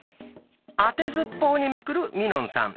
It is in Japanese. あてずっぽうにめくるみのんさん。